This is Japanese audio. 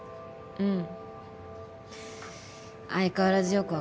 うん。